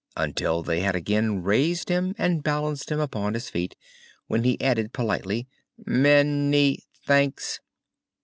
until they had again raised him and balanced him upon his feet, when he added politely: "Ma ny thanks!"